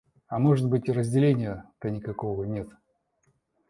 А может быть, и разделения-то никакого нет.